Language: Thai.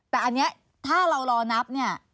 แต่อันนี้ถ้าเรารอนับเนี่ย